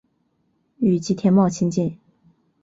与吉田茂亲近。